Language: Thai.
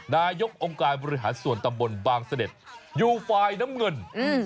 นายกองค์การบริหารส่วนตำบลบางเสด็จอยู่ฝ่ายน้ำเงิน